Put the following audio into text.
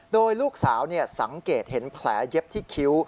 โดยลูกสาวสังเกตเห็นแผลเย็บที่คิ้ว